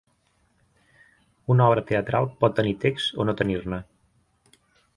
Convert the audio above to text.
Una obra teatral pot tenir text o no tenir-ne.